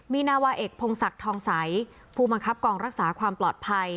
มีนาวาเอกพงศักดิ์ทองใสผู้บังคับกองรักษาความปลอดภัย